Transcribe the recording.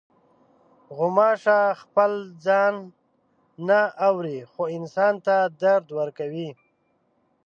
غوماشه خپل ځان نه اوري، خو انسان ته درد ورکوي.